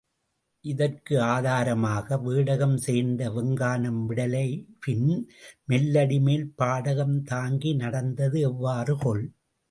இதற்கு ஆதாரமாக, வேடகம் சேர்ந்த வெங்கானம் விடலைபின் மெல்லடிமேல் பாடகம் தாங்கி நடந்தது எவ்வாறு கொல்?